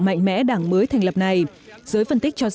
mạnh mẽ đảng mới thành lập này giới phân tích cho rằng